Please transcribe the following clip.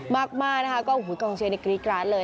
มากนะคะก็คงเชื่อในกรีกร้านเลย